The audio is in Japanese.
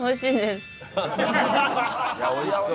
いや美味しそう。